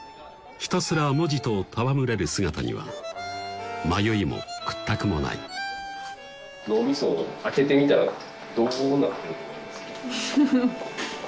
ひたすら文字と戯れる姿には迷いも屈託もない脳みそを開けてみたらどうなってると思います？